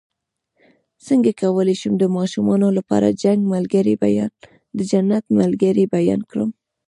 څنګه کولی شم د ماشومانو لپاره د جنت ملګري بیان کړم